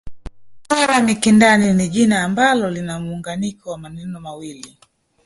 Mtwara Mikindani ni jina ambalo lina muunganiko wa maneno mawili